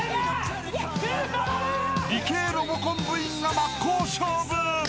［理系ロボコン部員が真っ向勝負！］